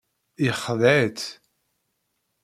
Yexdeɛ-itt.